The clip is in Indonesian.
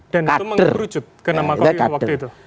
dan itu mengerucut ke nama kok itu waktu itu